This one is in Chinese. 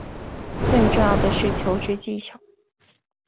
更重要的是求职技巧